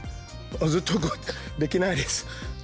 ずっと動いてできないです。